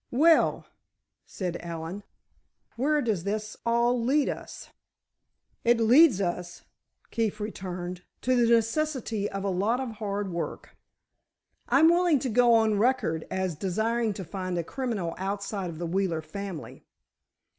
"Well," said Allen, "where does all this lead us?" "It leads us," Keefe returned, "to the necessity of a lot of hard work. I'm willing to go on record as desiring to find a criminal outside of the Wheeler family.